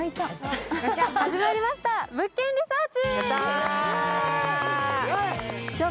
始まりました、「物件リサーチ」。